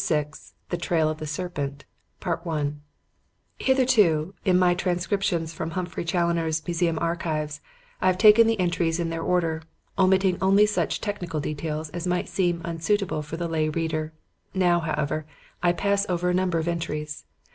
VI THE TRAIL OF THE SERPENT Hitherto, in my transcriptions from Humphrey Challoner's "Museum Archives" I have taken the entries in their order, omitting only such technical details as might seem unsuitable for the lay reader. Now, however, I pass over a number of entries.